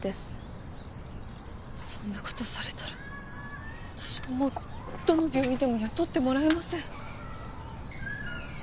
そんな事されたら私もうどの病院でも雇ってもらえません。